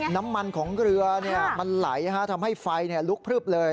น้ำมันของเรือมันไหลทำให้ไฟลุกพลึบเลย